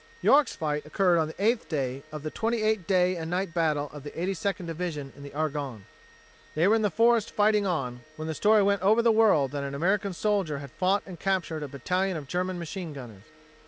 York's fight occurred on the eighth day of the twenty eight day and night battle of the Eighty Second Division in the Argonne. They were in the forest fighting on, when the story went over the world that an American soldier had fought and captured a battalion of German machine gunners.